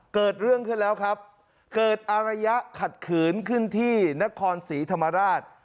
เกิดเรื่องขึ้นแล้วครับเกิดอารยะขัดขืนขึ้นที่นครศรีธรรมราช